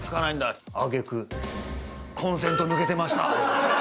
揚げ句「コンセント抜けてました！」